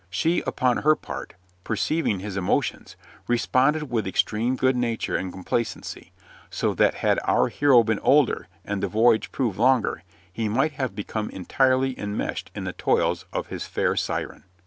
She, upon her part, perceiving his emotions, responded with extreme good nature and complacency, so that had our hero been older, and the voyage proved longer, he might have become entirely enmeshed in the toils of his fair siren.